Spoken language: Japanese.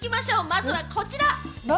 まずはこちら！